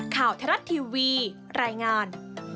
ข่าวทะลัดทีวีรายงาน